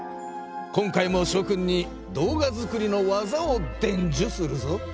今回もしょ君に動画作りの技をでんじゅするぞ。